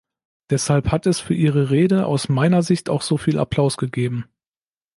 Deshalb hat es für Ihre Rede aus meiner Sicht auch so viel Applaus gegeben.